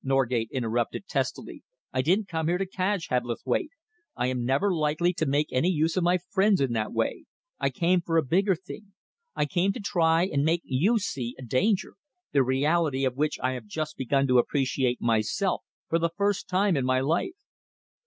Norgate interrupted testily. "I didn't come here to cadge, Hebblethwaite. I am never likely to make use of my friends in that way. I came for a bigger thing. I came to try and make you see a danger, the reality of which I have just begun to appreciate myself for the first time in my life."